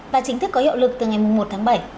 và chính thức có hiệu lực từ ngày một tháng bảy